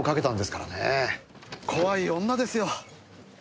怖い女ですよ。